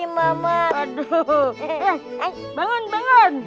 bangun bangun bangun bangun